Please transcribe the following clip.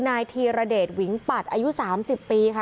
นายธีรเดชวิงปัดอายุ๓๐ปีค่ะ